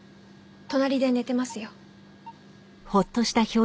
隣で寝てますよ。